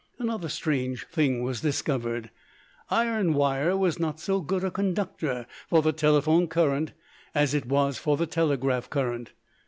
Another strange thing was discovered. Iron wire was not so good a conductor for the telephone current as it was for the telegraph current.